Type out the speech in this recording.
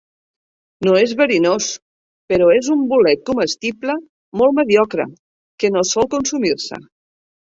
No és verinós, però és un bolet comestible molt mediocre que no sol consumir-se.